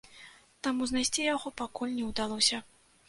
Таму знайсці яго пакуль не ўдалося.